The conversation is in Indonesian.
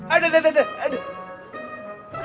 aduh aduh aduh